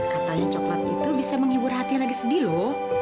katanya coklat itu bisa menghibur hati lagi sedih loh